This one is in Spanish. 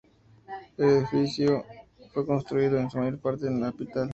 El edificio fue construido, en su mayor parte, en tapial.